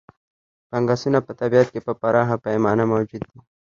فنګسونه په طبیعت کې په پراخه پیمانه موجود دي.